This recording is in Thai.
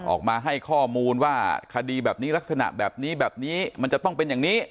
ออกมาให้ข้อมูลว่าคดีแบบนี้ลักษณะแบบนี้แบบนี้มันจะต้องเป็นอย่างนี้